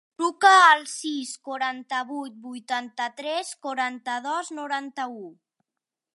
Truca al sis, quaranta-vuit, vuitanta-tres, quaranta-dos, noranta-u.